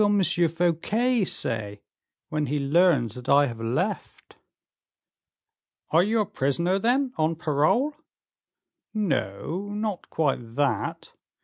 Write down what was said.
Fouquet say, when he learns that I have left?" "Are you a prisoner, then, on parole?" "No, not quite that.